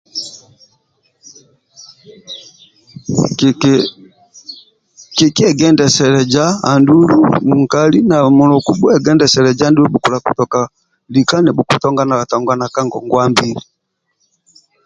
Kiki kikiegendeseleza andulu nkali na muluku bhukulukutoka lika nibhukutoka ka ngongwa mbili